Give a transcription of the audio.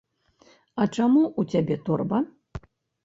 А чаму ў цябе торба?